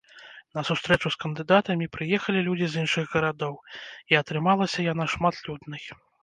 На сустрэчу з кандыдатамі прыехалі людзі з іншых гарадоў, і атрымалася яна шматлюднай.